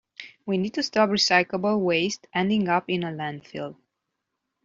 We need to stop recyclable waste ending up in a landfill.